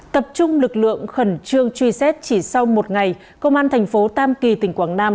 tập trung lực lượng khẩn trương truy xét chỉ sau một ngày công an thành phố tam kỳ tỉnh quảng nam